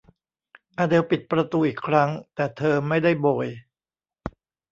อเดลปิดประตูอีกครั้ง แต่เธอไม่ได้โบย